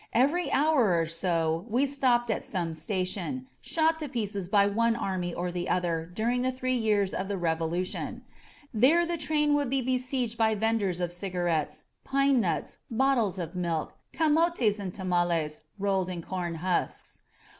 Every hour or so we stopped at some station, shot to pieces by one army or the other during the three years of Revolution; there the train would be besieged by vendors of cigarettes, pine nuts, bottles of milk, camotes^ and tamales rolled in corn husks.